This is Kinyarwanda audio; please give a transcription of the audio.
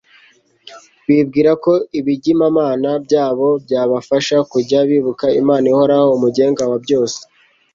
Bibwira ko ibigimamana byabo byabafasha kujya bibuka Imana ihoraho, Umugenga wa byose;